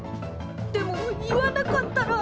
でも言わなかったら。